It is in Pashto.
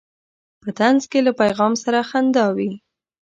په طنز کې له پیغام سره خندا وي.